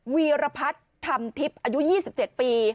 วีรพัฒน์ธรรมทิพย์อายุ๒๗ปี